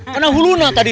karena hu luna tadi